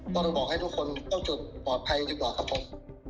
ต้องบอกให้ทุกคนต้องจุดปลอดภัยดีกว่าครับผม